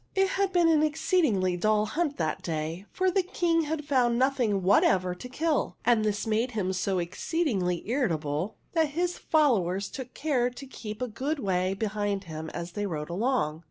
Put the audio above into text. It had been an exceedingly dull hunt that day, for the King had found nothing whatever to kill, and this made him so exceedingly irri table that his followers took care to keep a good way behind him as they rode along.